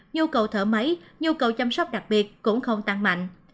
nhu cầu thở máy nhu cầu chăm sóc đặc biệt cũng không tăng mạnh